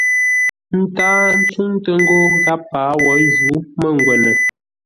Ə́ ntáa ntsúŋtə́ ńgó gháp páa wǒ jǔ mə́ngwə́nə.